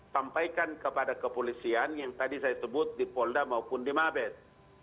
sampaikan kepada kepolisian yang tadi saya sebut di polda maupun di mabes